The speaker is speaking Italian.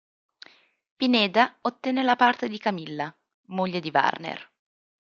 Pineda ottenne la parte di Camilla, moglie di Warner.